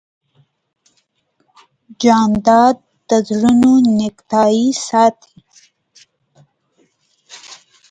جانداد د زړونو نېکتایي ساتي.